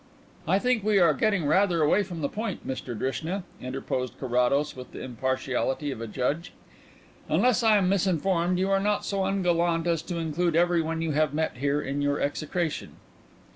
"I think we are getting rather away from the point, Mr Drishna," interposed Carrados, with the impartiality of a judge. "Unless I am misinformed, you are not so ungallant as to include everyone you have met here in your execration?"